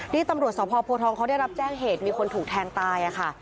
นี่ตำรวจสพโพทองเขาได้รับแจ้งเหตุมีคนถูกแทงตายค่ะ